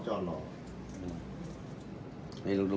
ส่วนสุดท้ายส่วนสุดท้าย